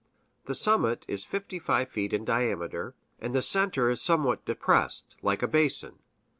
The summit is fifty five feet in diameter, and the center somewhat depressed, like a basin.